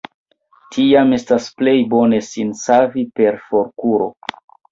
Tiam estas plej bone sin savi per forkuro.